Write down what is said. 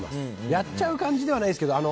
やっちゃう感じではないですけど。